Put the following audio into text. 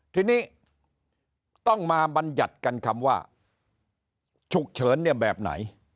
ทีนี้ต้องมาบรรยัติกันคำว่าฉุกเฉินเนี่ยแบบไหน